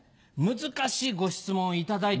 難しいご質問を頂いたと。